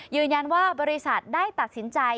ยืนยันว่าบริษัทได้ตัดสินใจ